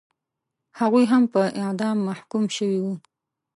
هغوی هم په اعدام محکوم شوي وو.